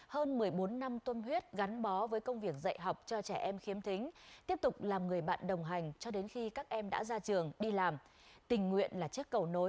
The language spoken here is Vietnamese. hãy đăng ký kênh để ủng hộ kênh của mình nhé